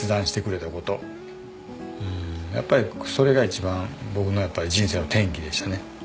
うんやっぱりそれが一番僕の人生の転機でしたね。